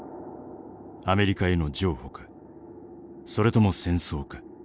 アメリカへの譲歩かそれとも戦争か。